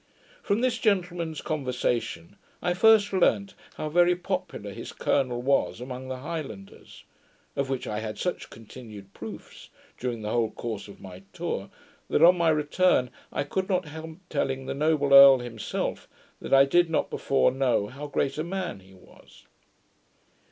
From this gentleman's conversation, I first learnt how very popular his Colonel was among the Highlanders; of which I had such continued proofs, during the whole course of my tour, that on my return I could not help telling the noble Earl himself, that I did not before know how great a man he was.